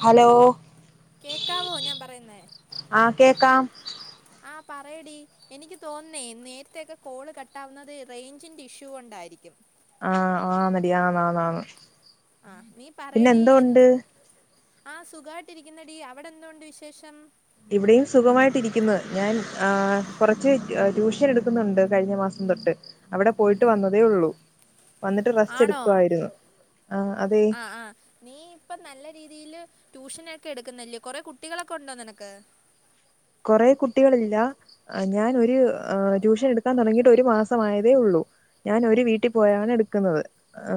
ഈ ഹലോ കേക്കാവോ ഞാൻ പറയുന്നേ ആ കേക്കാം ആ പറയടി എനിക്ക് തോന്നുന്നേ നേരത്തെ യൊക്കെ കോള് കട്ടാവുന്നത് റേഞ്ചിന്റെ ഇഷ്യൂ കൊണ്ടായിരിക്കും ആ ആന്നടി ആ ആന്ന് ആന്ന് ആ നീ പിന്നെ പറയടി എന്തോണ്ട് എന്ത് ആ സുഖമായിട്ടിരിക്കുന്നെടീ അവിടെ എന്തോണ്ട് വിശേഷം ഇവിടെയും സുഖമായിട്ടിരിക്കുന്നു ഞാൻ ആ കുറച്ച് ട്യൂഷൻ എടുക്കുന്നുണ്ട് കഴിഞ്ഞ മാസം തൊട്ട് അവിടെ പോയിട്ട് വന്നതേ ഉള്ളു ആണോ ആഹ് അതെ ആ ആ നീ ഇപ്പോ നല്ല രീതിയില് ട്യൂഷനൊക്കെ എടുക്കുന്നല്ലേ കൊറെ കുട്ടികളൊക്കെ ഉണ്ടോ നിനക്ക് കുറെ കുട്ടികളില്ല ഞാനൊരു ട്യൂഷൻ എടുക്കാൻ തുടങ്ങിയിട്ട് ഒരു മാസമായതേയുള്ളൂ ഞാൻ ഒരു വീട്ടിൽ പോയാണ് എടുക്കുന്നത്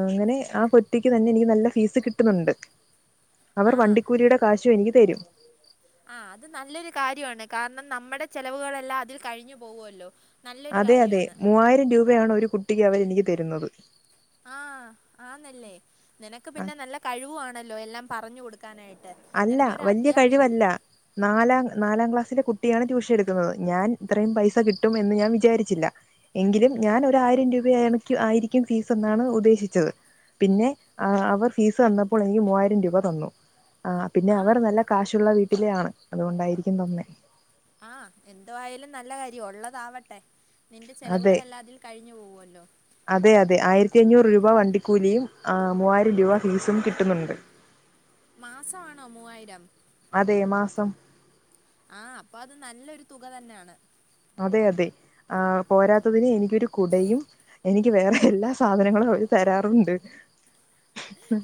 അങ്ങനെ ആ കുട്ടിക്ക് തന്നെ എനിക്ക് നല്ല ഫീസ് കിട്ടുന്നുണ്ട് അവർ ആ വണ്ടിക്കൂലിയുടെ കാശും എനിക്ക് തരും ആ അത് നല്ലൊരു കാര്യമാണ് കാരണം നമ്മുടെ ചെലവുകളെല്ലാം അതിൽ കഴിഞ്ഞു പോവുവല്ലോ അതെ അതെ മൂവായിരം രൂപയാണ് ഒരു കുട്ടിക്ക് അവരെ എനിക്ക് തരുന്നത് ആ ആന്നല്ലേ നിനക്ക് പിന്നെ നല്ല കഴിവു ആണല്ലോ എല്ലാം പറഞ്ഞു കൊടുക്കാനായിട്ട് അല്ല നിനക്കൊരു വലിയ അധ്യാപിക കഴിവല്ല നാലാം നാലാം ക്ലാസ്സിലെ കുട്ടിയാണ് ട്യൂഷൻ. എടുക്കുന്നത് ഞാൻ ഇത്രയും പൈസ കിട്ടും എന്ന് ഞാൻ വിചാരിച്ചില്ല എങ്കിലും ഞാൻ ഒരു ആയിരം രൂപ ആയിരിക്കും ഫീസ് എന്നാണ് ഉദ്ദേശിച്ചത് പിന്നെ അവർ ഫീസ് തന്നപ്പോൾ എനിക്ക് മൂവായിരം രൂപ തന്നു ആ പിന്നെ അവർ ആഹ് നല്ല കാശുള്ള വീട്ട വീട്ടിലെ ആണ് അതുകൊണ്ടായിരിക്കും തന്നെ ആ എന്ത് ആയാലും നല്ല കാര്യമാ ഉള്ളതാവട്ടെ. നിന്റെ അതെ ചെലവുകളെല്ലാം അതിൽ കഴിഞ്ഞു പോവുവല്ലോ അതെ അതെ ആയിരത്തി അഞ്ഞൂറ് രൂപ ര വണ്ടിക്കൂലിയും മൂവായിരം രൂപ ഫീസും കിട്ടുന്നുണ്ട് മാസമാണോ മൂവായിരം സ ആഹ് അപ്പൊ അത് നല്ലൊരു തുക തന്നെയാണ് അതെ അതെ ആ പോരാത്തതിന് എനിക്കൊരു കുടയും എനിക്ക് വേറെ എല്ലാ സാധനങ്ങളും അവര് തരാറുണ്ട്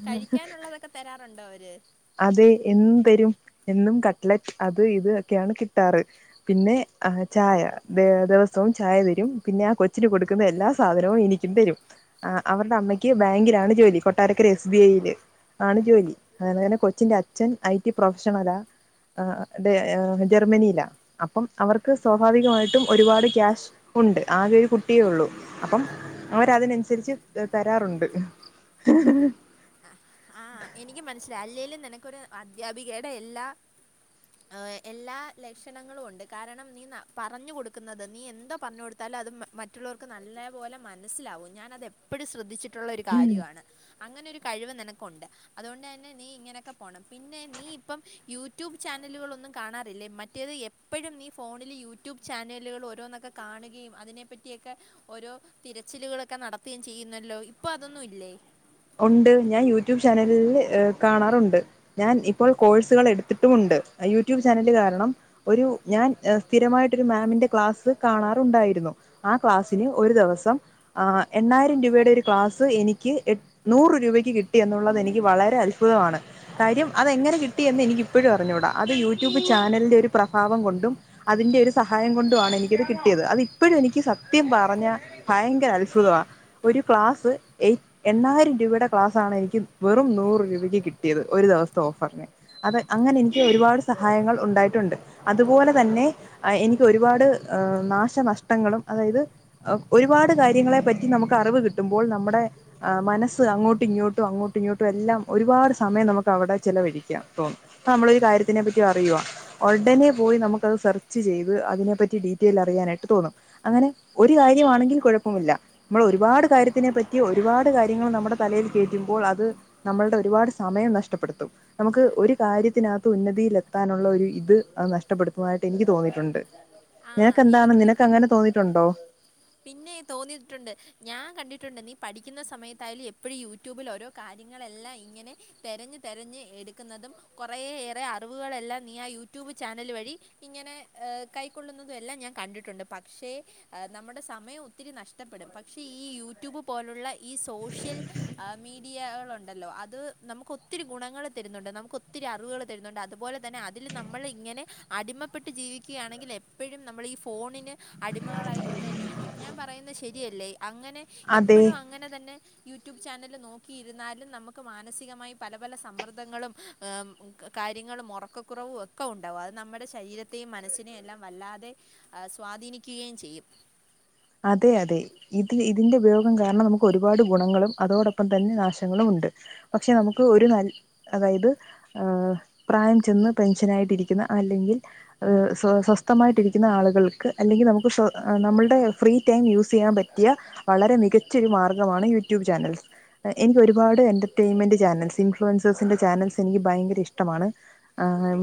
കഴിക്കാനുള്ളതൊക്കെ തരാറുണ്ടോ അവര് അതെ എന്നും തരും എന്നും കട്ട്ലെറ്റ് അത് ഇതൊക്കെയാണ് കിട്ടാറ് പിന്നെ ചായ ദിവസവും ചായ തരും പിന്നെ ആ കൊച്ചിന് കൊടുക്കുന്ന എല്ലാ സാധനവും എനിക്കും തരും അവരുടെ അമ്മയ്ക്ക് ബാങ്കിലാണ് ജോലി കൊട്ടാരക്കര എസ് ബി ഐൽ ആണ് ജോലി അെ തന്നെ കൊച്ചിന്റെ അച്ഛൻ ഐ ടി പ്രൊഫഷണലാ ജർമ്മനിയിലാ അപ്പം അവർക്ക് സ്വാഭാവികമായിട്ടും ഒരുപാട് ക്യാഷ് ഉണ്ട് ആകെ ഒരു കുട്ടിയേ ഉള്ളൂ അപ്പം അവർ അതിനനുസരിച്ച് തരാറുണ്ട് ആ എനിക്ക് മനസ്സിലായി അല്ലെേങ്കും നിനക്കരു അധ്യാപികയുടെ എല്ലാ എല്ലാ ലക്ഷണങ്ങളും ഉണ്ട് കാരണം നീ പറഞ്ഞു കൊടുക്കുന്നത് നീ എന്തോ പറഞ്ഞ കൊടുത്താലും അത് മറ്റുള്ളവർക്ക് നല്ല പോോലെ മനസ്സിലാവും ഞാന അത് എപ്പോഴും ശ്രദ്ധിച്ചി ട്ടുള്ള ഒരു കാര്യമാണ് അങ്ങനെ ഒരു കഴിവ് നിനക്കുണ്ട് അതുകൊണ്ട് തന്നെ നീ ഇങ്ങനെയൊക്കെ പോണം പിന്നെ നീ ഇപ്പം യൂട്യൂബ് ചാനലുകളൊന്നും കാണാറില്ലേ മറ്റേത് എപ്പോഴും നീ ഫോണില് യൂട്യൂബ് ചാനലുകൾ ഓരോന്നൊക്കെ കാണുകയും അതിനെ പറ്റിയൊക്കെ ഓരോ തിരച്ചിലുകളൊക്കെ നടത്തുകയും ചെയ്യുന്നുല്ലോ ഇപ്പൊ അതൊന്നും ഇല്ലേ ഉണ്ട് ഞാൻ യൂട്യൂബ് ചാനലിൽ കാണാറുണ്ട് ഞാൻ ഇപ്പോൾ കോഴ്സുകൾ എടുത്തിട്ടുമുണ്ട് യൂട്യൂബ് ചാനല് കാരണം ഒരു ഞാൻ സ്ഥിരമായിട്ട ഒരു മാമിന്റെ ക്ലാസ് കാണാറുണ്ടായിരുന്നു ആ ക്ലാസിന് ഒരു ദിവസം എണ്ണായിരം രൂപയുടെ ഒരു ക്ലാസ്സ് എനിക്ക് എ നൂറ് രൂപയ്ക്ക് കിട്ടി എന്നുള്ളത് എനിക്ക് വളരെ അത്ഭുതമാണ് കാര്യം അത എങ്ങനെ കിട്ടി എന്ന് എനിക്ക ഇപ്പോഴും അറിഞ്ഞുകൂടാ അത് യൂട്യൂബ് ചാനലിൻ്റെ ഒരു പ്രഭാവം കൊണ്ടും അതിൻ്റെ ഒരു സഹായം കൊണ്ടു ആമാണ് എനിക്കത് കിട്ടിയത് അത് ഇപ്പോഴും എനിക്ക് സത്യം പറഞ്ഞാൽ ഭയങ്കര അത്ഭുതമാണ് ഒരു ക്ലാസ്സ് എറ്റ് എണ്ണായിരം രൂപയുടെ ക്ലാസാണ് എനിക്ക് വെറും നൂറ് രൂപയ്ക്ക് കിട്ടിയത് ഒരു ദിവസത്തെ ഓഫറിന് അത് അങ്ങനെ എനിക്ക് ഒരുപാട് സഹായങ്ങൾ ഉണ്ടായിട്ടുണ്ട് അതുപോലെ തന്നെ എനിക്ക് ഒരുപാട് നാശനഷ്ടങ്ങളും അതായത് ഒരുപാട് കാര്യങ്ങളെ പറ്റി നമുക്ക് അറിവ് കിട്ടുമ്പോൾ നമ്മുടെ മനസ് അങ്ങോട്ടും ഇങ്ങോട്ടും അങ്ങോട്ടും ഇങ്ങോട്ടും എല്ലാം ഒരുപാട് സമയം നമുക്ക് അവിടെ ചെലവഴിക്കാം തോന്നും അപ്പ നമ്മളൊ ഒരു കാര്യത്തിനെ പറ്റി അറിയുക ഉടനെ പോയി നമുക്ക്ത് സെർച്ച് ചെയ്ത് അതിനെപ്പറ്റി ഡീറ്റെയിൽ അറിയാനായിട്ട് തോന്നും അങ്ങനെ ഒരു കാര്യമാണെങ്കിൽ കുഴപ്പമില്ല നമ്മൾ ഒരുപാട് കാര്യത്തിനെ പറ്റി ഒരുപാട് കാര്യങ്ങൾ നമ്മുടെ തലയിൽ കയറ്റുമ്പോൾ അത് നമ്മളുടെ ഒരുപാട് സമയം നഷ്ടപ്പെടുത്തും നമുക്ക് ഒരു കാര്യത്തിനകത്ത് ഉന്നതിൽ എത്താനുള്ള ഒരു ഇത്ത് നഷ്ടപ്പെടുത്തുംായിട്ട് എനിക്ക് തോന്നിയിട്ടുണ്ട് ആ നിനക്ക് എന്താണ് എനിക്കും നിനക്ക് അങ്ങനെ തോന്നിട്ടുണ്ടോ പിന്നെ തോന്നിയിട്ടുണ്ട് ഞാൻ കണ്ടിട്ടുണ്ട് നീ പഠിക്കുന്ന സമയത്തായാലും എപ്പോഴും യൂട്യൂബിൽ ഓരോ കാര്യങ്ങളെല്ലാം ഇങ്ങനെ തതിരഞ് തിരഞ്ഞ് എടുക്കുന്നതും കുറയേറെ അറിവുകളെല്ലാം നീ ആ യൂട്യൂബ് ചാനൽ വഴി ഇങ്ങനെ കൈക്കൊള്ളുന്നതും എല്ലാം ഞാൻ കണ്ടിട്ടുണ്ട് പക്ഷേ നമ്മുടെ സമയം ഒത്തിരി നഷ്ടപ്പെടും പക്ഷേ ഈ യൂട്യൂബ് പോലുള്ള ഈ സോഷ്യൽ മീഡിയകളുണ്ട് ഉണ്ടല്ലോ അത് നമുക്ക് ഒത്തിരി ഗുണങ്ങൾ തരുന്നുണ്ട് നമുക്ക് ഒത്തിരി അറിവുകൾ തരുന്നുണ്ട് അതുപോലെ തന്നെ അതിൽ നമ്മൾ ഇങ്ങനെ അടിമപ്പെട്ട് ജീവിക്കുകയാണെങ്കിൽ എപ്പോഴും നമ്മൾ ഈ ഫോണിന് അടിമകളായിക്കൊണ്ട് തന്നെ ഇരിക്കും ക്കും ഞാൻ പറയുന്നത് ശരിയല്ലേ അങ്ങനെ അതെ എപ്പോഴും അങ്ങനെ തന്നെ യൂട്യൂബ് ചാനല് നോക്കിയിരുന്നാലും നമുക്ക് മാനസികമായി പല പല സമ്മർദ്ദങ്ങളും കാര്യങ്ങളും ഉറക്കക്കുറവും ഒക്കെ ഉണ്ടാവും അത് നമ്മുടെ ശരീരത്തെയും മനസ്സിനെയ എല്ലാം വല്ലാതെ സ്വാധീനിക്കുകയും ചെയ്യും അതെ അതെ ഇത് ഇതിന്റെ ഉപയോഗം കാരണം നമുക്ക് ഒരുപാട് ഗുണങ്ങളും അതോടൊപ്പം തന്നെ നാശങ്ങളും ഉണ്ട് പക്ഷെ നമുക്ക് ഒരു ന അതായത് ഏ പ്രായം ചെന്ന് പെൻഷൻ ആായിട്ടിരിക്കുന്ന അല്ലെങ്കിൽ സ്വ സ്വസ്ഥമായിട്ടിരിക്കുന്ന ആളുകൾക്ക് അല്ലെങ്കിൽ നമുക്ക് നമ്മളുടെ ഫ്രീ ടൈം യൂസ് ചെയ്യാൻ പറ്റിയ വളരെ മികച്ചൊരു മാർഗ്ഗമാണ് യൂട്യൂബ് ചാനൽസ് എനിക്ക് ഒരുപാട് എൻ്റർടൈയിൻമെൻറ് ചാനൽസ് ഇൻഫ്ലുവൻസേഴ്സിൻ്റെ ചാനൽസ് എനിക്ക് ഭയങ്കര ഇഷ്ടമാണ്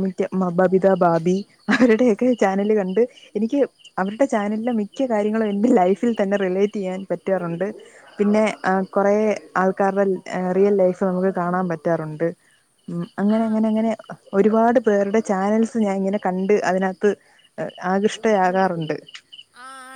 മിക്ക ബബിത ബാബി അവരുടെയൊക്കെ ചാനല് കണ്ട് എനിക്ക് അവരുടെ ചാനലിലെ മിക്ക കാര്യങ്ങൾ എന്റെ ലൈഫിൽ തന്നെ റിലേറ്റ് ചെയ്യാൻ പറ്റാറുണ്ട് പിന്നെ പിന്നെ അ കൊറെ അ ആൾക്കാരുടെ റിയൽ ലൈഫ് ഒക്കെ കാണാൻ പറ്റാറുണ്ട് ഉം ആ അങ്ങനെങ്ങനെ ങ്ങനെ ഒരു പാട് പേരുടെ ചാനൽസ് ഞാൻ ഇങ്ങനെ കണ്ട് അതിനകത്ത് ആകഷ്ടയാകാറുണ്ട്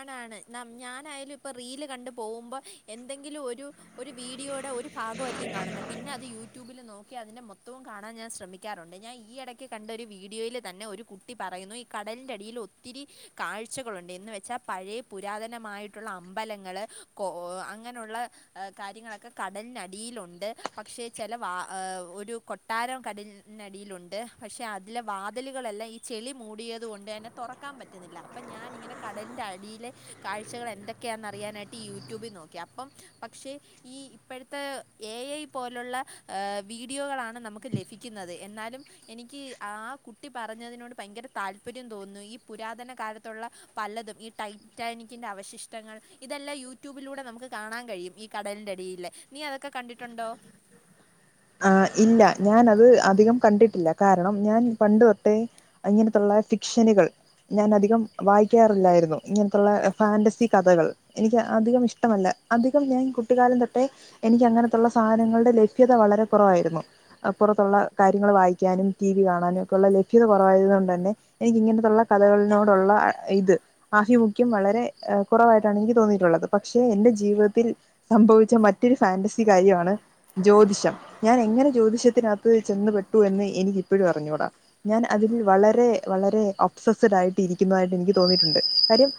കാണ് ഞാനായാലും ഇപ്പോൾ റീൽ കണ്ടു പോകുമ്പോൾ എന്തെങ്കിലും ഒരു ഒരു വീഡിയോയുടെ ഒരു ഭാഗമായിരിക്കും കാണുന്നത് പിന്നെ അത് യൂട്യൂബിൽ നോക്കി അതിൻ്റെ മൊത്തവും കാണാൻ ഞാൻ ശ്രമിക്കാറുണ്ട് ഞാൻ ഈ ഇടയ്ക്ക് കണ്ട ഒരു വീഡിയോയിൽ തന്നെ ഒരു കുട്ടി പറയുന്നു ഈ കടലിൻ്റെ അടിയിൽ ഒത്തിരി കാഴ്ചകളുണ്ട് എന്നന്ന് വെച്ചാൽ പഴയ പുരാതനമായിട്ടുള്ള അമ്പലങ്ങള്ൾ അങ്ങനെയുള്ള കാര്യങ്ങളൊക്കെ കടലിനടിയിലുണ്ട് പക്ഷേ ചില ഒരു കൊട്ടാരം കടലിനടിയിലുണ്ട് പക്ഷെ അതിലെ വാതിലുകളെല്ലാം ഈ ചെളി മൂടിയത് കൊണ്ട് തെ തുറക്കാൻ പറ്റുന്നില്ല അപ്പൾ ഞാാനിങ്ങനെ കടലി്റെ ആ കുടിയിലെ കാഴ്ചകൾ എന്തൊക്കെയാെന്ന് അറിയാനായിട്ട് യൂട്യൂബിൽ നോക്കി അപ്പം പക്ഷേ ഈ ഇപ്പോഴത്തെ എ ഐ പോലുള്ള വീഡിയോകളാണ് നമുക്ക് ലഭിക്കുന്നത് എന്നാലും എനിക്ക് ആ കുട്ടി പറഞ്ഞതിനോട് ഭയങ്കര താല്പര്യം തോന്നുന്നു ഈ പുരാതന കാലത്തുള്ള പലതും ഈ ടൈറ്റാനിക്കിന്റെ അവശിഷ്ടങ്ങൾ ഇതെല്ലാം യൂട്യൂബിലൂടെ നമുക്ക് കാണാൻ കഴിയും ഈ കടലിന്റെടിൽ നീ അതൊക്കെ കണ്ടിട്ടുണ്ടോ ആ ഇല്ല ഞാൻ അത് അധികം കണ്ടിട്ടില്ല കാരണം ഞാൻ പണ്ട് തൊട്ടേ ഇങ്ങനത്തുള്ള ഫിക്ഷനുകൾ ഞാൻ അധികം വായിക്കാറില്ലായിരുന്നു ഇങ്ങനത്തുള്ള ഫാൻറസി കഥകൾ എനിക്ക് അധികം ഇഷ്ടമല്ല അധികം ഞാൻ കുട്ടിക്കാലം തൊട്ടേ എനിക്ക് അങ്ങനത്തുള്ള സാധനങ്ങളുടെ ലഭ്യത വളരെ കുറവായിരുന്നു പുറത്തുള്ള കാര്യങ്ങൾ വായിക്കാനും ടി വി കാണാനും ഒക്കെള്ള ലഭ്യത കുറവായത്ുക കൊണ്ട് തന്നെ എനിക്ക്ിങ്ങനത്തുള്ള കഥകളിനോടുള്ള ഇത് ആഭിമുഖ്യം വളരെ കുറവായിട്ടാണ് എനിക്ക് തോന്നിയിട്ടുള്ളത് പക്ഷെ എൻറെ ജീവിതത്തിൽ സംഭവിച്ച മറ്റൊരു ഫാാന്റസി കാര്യമാണ് ജ്യോതിഷം ഞാൻ എങ്ങനെ ജ്യോതിഷത്തിനകത്ത് ചെന്ന പെട്ടു എന്ന് എനിക്ക് ഇപ്പോഴും പറഞ്ഞൂടാം ഞാൻ അതിൽ വളരെ വളരെ അപ്സസഡ് ആയിട്ട്രിക്കുന്നതായിട്ട് എനിക്ക് തോന്നിയിട്ടുണ്ട് കാര്യം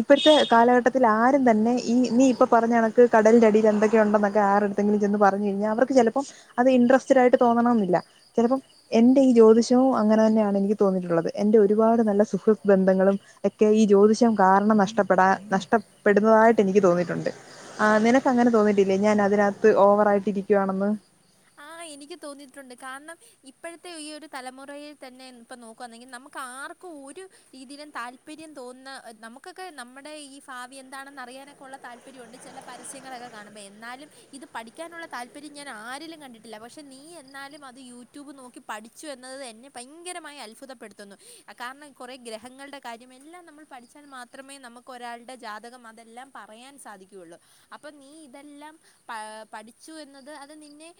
ഇപ്പോഴത്തെ കാലഘട്ടത്തിൽ ആരും തന്നെ ഈ നീ ഇപ്പ പറഞ്ഞ കനക്ക് കടലിറെ അടിയിൽ എന്തൊക്കെ ഉണ്ടെന്നൊക്കെ ആരെടുത്തെങ്കിലും ചെന്ന് പറഞ്ഞു കഴിഞ്ഞാൽ അവർക്ക് ചിലപ്പോം അത് ഇൻട്രസ്റ്റഡ് ആയിട്ട് തോന്നണംമ എന്നില്ല ചിലപ്പം എൻ്റെ ഈ ജ്യോതിഷവും അങ്ങനെ തന്നെയാണ് എനിക്ക് തോന്നിയിട്ടുള്ളത് എൻ്ന്റെ ഒരുപാട് നല്ല സുഖൃ ബന്ധങ്ങളും ഒക്കെ ഈ ജ്യോതിഷം കാരണം നഷ്ടപ്പെടാ നഷ്ടപ്പെടുന്നതായിട്ട് എനിക്ക് തോന്നിട്ടുണ്ട് ആ നിനക്ക് അങ്ങനെ തോന്നിയിട്ടില്ലേ ഞാൻ അതിനകത്ത് ഓവറ ആായിട്ട് ഇരിക്കുകയാണെന്ന് ആ എനിക്ക് തോന്നിയിട്ടുണ്ട് കാരണം ഇപ്പോഴത്തെ ഈ ഒരു തലമുറയിൽ തന്നെ ഇപ്പോൾ നോക്കുകയാന്നെങ്കിൽ നമുക്ക് ആർക്കും ഒരു രീതിയിലും താല്പര്യം തോന്നുന്ന നമുക്കൊക്കെ നമ്മുടെ ഈ ഭാവി എന്താണെന്ന് അറിയാനൊക്കെ ഉള്ള താല്പര്യമുണ്ട് ചില പരസ്യങ്ങളൊക്കെ കാണുമ്പോൾ എന്നാലും ഇത് പഠിക്കാനുള്ള താല്പര്യം ഞാൻ ആരിലും കണ്ടിട്ട പില്ല പക്ഷെ നീ എന്നാലും അത് യൂട്യൂബ് നോക്കി പഠിച്ചു എന്നത് എന്നെ ഭയങ്കരമായി അത്ഭുതപ്പെടുത്തുന്നു കാരണം കുറെേ ഗ്രഹങ്ങളുടെ കാര്യം എല്ലാം നമ്മൾ പഠിച്ചാൽ മാത്രമേ നമുക്ക് ഒരാളുടെ ജാതകം അതെല്ലാം പറയാൻ സാധിക്കുകുള്ളൂ അപ്പം നീ ഇതെല്ലാം പ പഠിച്ചു എന്നത് അത് നിന്നെ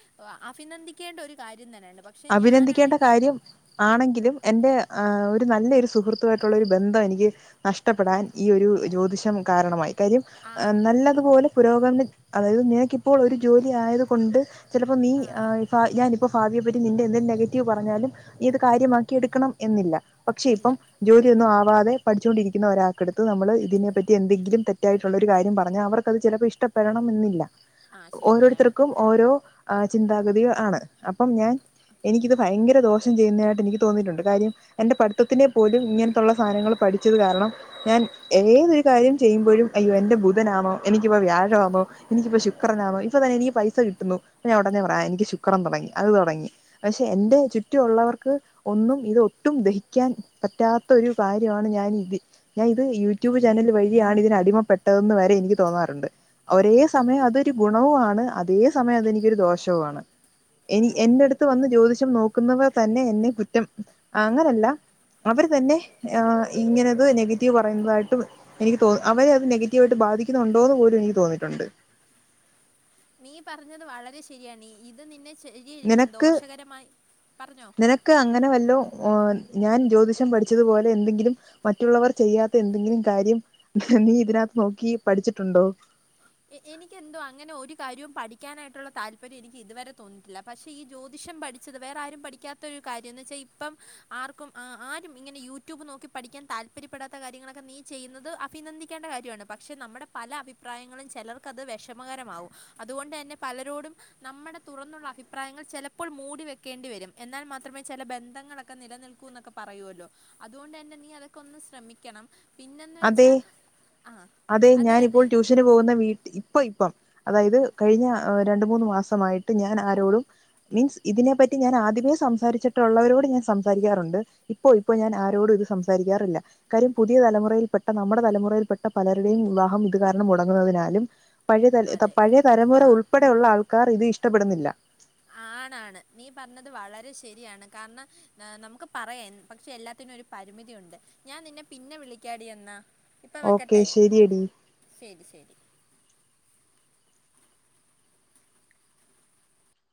അഭിനന്ദിക്കേണ്ട ഒരു കാര്യം തന്നെയാണ് പക്ഷെ അഭിനന്ദിക്കേണ്ട ഞാനാണെങ്കിൽ കാര്യം ആണെങ്കിലും എറെ ആ ഒരു ഒരു നല്ല ഒരു സുഹൃത്തുായിട്ടുള്ള ഒരു ബന്ധം എനിക്ക് നഷ്ടപ്പെടാൻ ഈ ഒരു ജ്യോതിഷം കാരണമായി കരീം ആ ഹ് നല്ലതുപോലെ പുരോഗമന അതായത് നിനക്കിപ്പോൾ ഒരു ജോലി ആയത് കൊണ്ട് ചിലപ്പോൾ നീ ആ ഹ് ഞാനിപ്പോൾ ഭാവിയെ പറ്റി നിന്റെ എന്ത്‌ നെഗറ്റീവ് പറഞ്ഞാലും ഇത് കാര്യമാക്കി എടുക്കണം എന്നില്ല പക്ഷെ ഇല്ല പ്പം ജോലി ഒന്നു ആ പോവാതെ പഠിച്ചുകൊണ്ടിരിക്കുന്ന ഒരാൾക്കെടുത്ത് നമ്മൾ ഇതിനെപ്പറ്റി എന്തെങ്കിലും തെറ്റായിട്ടുള്ള ഒരു കാര്യം പറഞ്ഞാൽ അവർക്കത് ചിലപ്പോൾ ഇഷ്ടപ്പെടമെന്നില്ല ആ ശരിയാണ് ഓരോരുത്തർക്കും ഓരോ ആ ചിന്താഗതി ആണ് അപ്പം ഞാൻ എനിക്കിത് ഭയങ്കര ദോഷം ചെയ്യുന്നതായിട്ട് എനിക്ക് തോന്നിയിട്ടുണ്ട് കാര്യം എന്റെ പഠിത്തത്തിനെ പോലും ഇങ്ങനത്തുള്ള സാധനങ്ങൾ പഠിച്ചത് കാരണം ഞാൻ ഏതൊരു കാര്യം ചെയ്യുമ്പോഴും അയ്യോ എന്റെ ബുധനാണോ എനിക്കിപ്പോ വ്യാഴമാണോ എനിക്കിപ്പോ ശുക്രനാണോ ഇപ്പൊ തന്നെ എനിക്ക് പൈസ കിട്ടുന്നു ഞാൻ ഉടനെ പറയാ എനിക്ക് ശുക്രൻ തുടങ്ങി അത് തുടങ്ങി പക്ഷെ എന്റെ ചുറ്റുമുള്ളവർക്ക് ഒന്നും ഇത് ഒട്ടും ദഹിക്കാൻ പറ്റാത്ത ഒരു കാര്യമാണ് ഞാൻ ഇത് ഞാൻ ഇത് യൂട്യൂബ് ചാനൽ വഴിയാണ് ഇതിനന് അടിമപ്പെട്ടതന്ന് വരെ എനിക്ക് തോന്നാറുണ്ട് ഒരേ സമയം അതൊരു ഗുണവു ആണ് അക്ഷേ എന്റെ ചുറ്റു ഉള്ളവർക്ക് ഒന്നും ഇതൊട്ടും ദഹിക്കാൻ പറ്റാത്ത ഒരു കാര്യവാണ് ഞാനിതി ഞാൻത് യൂറ്റൂബ് ചാനല് വഴിയാണ് ഇതിനടിമപ്പെട്ടതെന്ന് വരെ എനിക്ക് തോന്നാറുണ്ട്. ഒരേ സമയം അതൊരു ഗുണവു ആണ് അതേ സമയം അതെനിക്കൊരു ദോഷവു ആണ്. എനി എന്റട് പുറത്ത് വന്ന് ജ്യോതിഷം നോക്കുന്നവർ തന്നെ എന്നെ കുറ്റം അങ്ങനല്ല അവർ തന്നെ ആ ഇങ്ങനെത് നെഗറ്റീവ് പറയുന്നതായിട്ട് എനിക്ക് തോന്ന അവരെ അത് നെഗറ്റീവ ആയിട്ട് ബാധിക്കുന്നുണ്ടോന്ന് പോലും എനിക്ക് തോന്നിയിട്ടുണ്ട് നീ പറഞ്ഞത് വളരെ ശരിയാണീ ഇത് നിന്നെ ശര്യരിയ്ക്കും നിനക്ക് ദോഷകരമായ് പർഞ്ഞോ? നിനക്ക് അങ്ങനെ വല്ലോ ഞാൻ ജ്യോതിഷം പഠിച്ചതുപോലെ എന്തെങ്കിലും മറ്റുള്ളവർ ചെയ്യാത്ത എന്തെങ്കിലും കാര്യം നീ ഇതിനകത്ത് നോക്കി പഠിച്ചിട്ടുണ്ടോ എനിക്കന്തോ അങ്ങനെ ഒരു കാര്യവും പഠിക്കാനായിട്ടുള്ള താല്പര്യം എനിക്ക് ഇതുവരെ തോന്നിയിട്ടില്ല പക്ഷെ ഈ ജ്യോതിഷം പഠിച്ചത് വേറെ ആരും പഠിക്കാത്ത ഒരു കാര്യം വെച്ചാ ഇപ്പം ആർക്കും ആരും ഇങ്ങനെ യൂട്യൂബ് നോക്കി പഠിക്കാൻ താല്പര്യപ്പെടാത്ത കാര്യങ്ങളൊക്കെ നീ എ എ എ എ എനിക്കെന്തൊ അങ്ങനെ ഒരു കാര്യവും പഠിക്കാനായിട്ടുള്ള താൽപര്യം എനിക്ക് ഇതു വരെ തോന്നീട്ടില്ല. പക്ഷെ, ഈ ജ്യോതിഷം പഠിച്ചത് വേറാരും പഠിക്കാത്തൊരു കാര്യം ന്ന് ച്ച ഇപ്പം ആർക്കും ആ ആരും ഇങ്ങനെ യൂടൂബ് നോക്കി പഠിക്കാൻ താൽപര്യപെടാത്ത കാര്യങ്ങളൊക്ക നീ ചെയ്യുന്നത് അഭിനന്ദിക്കേണ്ട കാര്യണ്. പക്ഷെ, നമ്മുടെ പല അഭിപ്രായങ്ങളും- ചിലർക്കത് വിഷമകരമാവും അതുകൊണ്ട് തന്നെ പലരോടും നമ്മുടെ തുറന്നുള്ള അഭിപ്രായങ്ങൾചെലപ്പോൾ മൂടിവെയാണ്ടിവരും എന്നാൽ മാത്രമേ ചെല ബന്ധങ്ങളൊകെ നിലനിൽക്കൂ എ നൊക്കെ പറയുലോ അത്കൊണ്ട് തന്നെ നീ അതൊക്കെ ഒന്ന് ശ്രമിക്കണം പിന്നെന്ന് അതെ വെച്ചാൽ ആ അതെ ഞാനിപ്പോൾ ട്യൂഷന് പോകുന്ന വീട്ടി ഇപ്പൊ ഇപ്പം അതായത് കഴിഞ്ഞ രണ്ടു മൂന്ന് മാസമായിട്ട് ഞാൻ ആരോടും മീൻസ് ഇതിനെപ്പറ്റി ഞാൻ ആദ്യമേ സംസാരിച്ചിട്ടുള്ളവരോട് ഞാൻ സംസാരിക്കാറുണ്ട് ഇപ്പോഇപ്പൊ പ്പൊ ഇപ്പം അതായത് കഴിഞ്ഞ രണ്ടുമൂന്നു മാസമായിട്ട് ഞാൻ ആരോടും മീൻസ് ഇതിനെ പ്പറ്റി ഞാനാദ്യമേ സംസാരിച്ചിട്ടുള്ളവരോട് ഞാൻ സംസാരിക്കാറുണ്ട്. ഇപ്പൊ ഇപ്പം ഞാൻ ആരോടും ഇത് സംസാരിക്കാറില്ല. കാര്യം പുതിയ തലമുറയിൽ പെട്ട നമ്മുടെ തലമുറയിൽപ്പെെട്ട പലരുടെയും വിവാഹം ഇത് കാരണം മുടങ്ങുന്നതിനാലും പഴയ തലെ ത അതെ പഴയ തരമുറ ആ ഉൾപ്പെടെ ഉള്ള ആൾ ക്കാറിതിഷ്ടപ്പെടുന്നില്ല. ആണാണ് നീ പറഞ്ഞത് വളരെ ശരിയാണ് കാരണം നമുക്ക് ആണാണ്. നീ പർഞ്ഞത് വളരെ ശരിയാണ്. കാര്ണ ന നമുക്ക് പറയേൻ പക്ഷെ, എല്ലാത്തിനു ഒരു പരിമിതിയുണ്ട്. ഞാൻ നിന്നെ പിന്നെ വിളിക്കാടി എന്നാ. ഇപ്പം ഓക്കെ വെക്കട്ടെ ശരിയടി ശരി ശരി